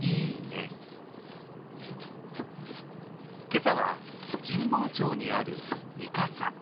今朝は、神保町にあるみかさ。